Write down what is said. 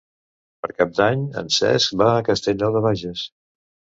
Per Cap d'Any en Cesc va a Castellnou de Bages.